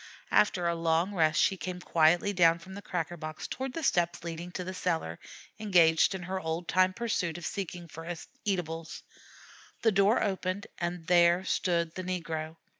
After a long rest she came quietly down from the cracker box toward the steps leading to the cellar, engaged in her old time pursuit of seeking for eatables. The door opened, and there stood the negro.